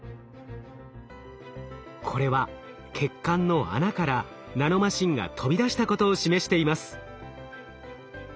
これは血管の穴からナノマシンが飛び出したことを示しています。